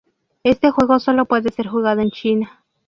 Este juego sólo puede ser jugado en China.